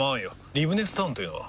リブネスタウンというのは？